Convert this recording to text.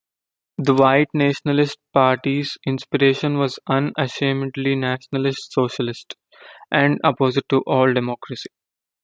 The White Nationalist Party's inspiration was "unashamedly nationalist socialist" and opposed to "all democracy".